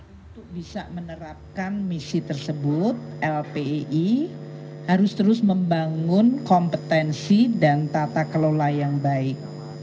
untuk bisa menerapkan misi tersebut lpi harus terus membangun kompetensi dan tata kelola yang baik